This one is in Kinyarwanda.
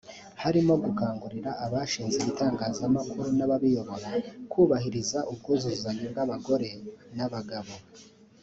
Harimo gukangurira abashinze ibitangazamakuru n’ababiyobora kubahiriza ubwuzuzanye bw’abagore n’abagabo